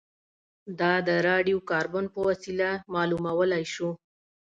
دا د راډیو کاربن په وسیله معلومولای شو